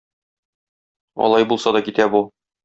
Алай булса да китә бу.